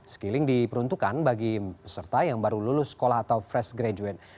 skilling diperuntukkan bagi peserta yang baru lulus sekolah atau fresh graduate